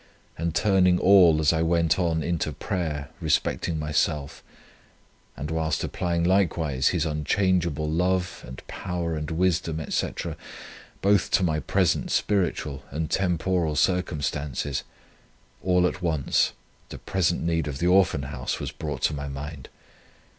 and turning all, as I went on, into prayer respecting myself; and whilst applying likewise His unchangeable love, and power and wisdom, &c., both to my present spiritual and temporal circumstances: all at once the present need of the Orphan House was brought to my mind.